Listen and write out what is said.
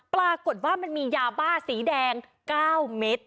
ปรากฏว่ามันมียาบ้าสีแดง๙เม็ด